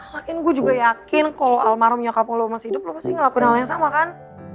makin gue juga yakin kalau almarhumnya kampung lo masih hidup lo pasti ngelakuin hal yang sama kan